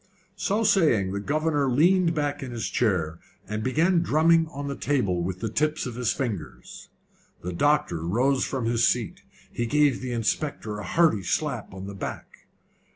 So saying, the governor leaned back in his chair, and began drumming on the table with the tips of his fingers. The doctor rose from his seat. He gave the inspector a hearty slap on the back.